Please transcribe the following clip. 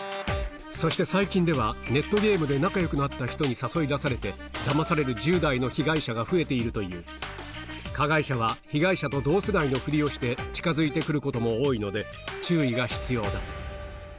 そして最近ではネットゲームで仲良くなった人に誘い出されてだまされる１０代の被害者が増えているという加害者は被害者と同世代のふりをして近づいて来ることも多いので注意が必要だ